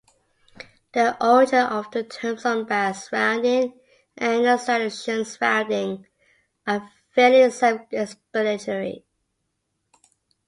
The origin of the terms "unbiased rounding" and "statistician's rounding" are fairly self-explanatory.